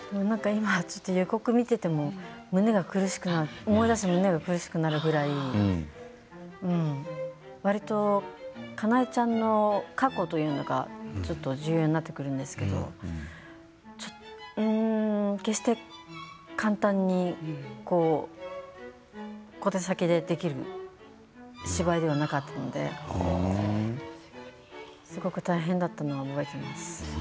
今、予告を見ていても思い出して胸が苦しくなるぐらいわりと、かなえちゃんの過去というのがちょっと重要になってくるんですけれどうーん、決して簡単に小手先でできる芝居ではなかったのですごく大変だったのを覚えています。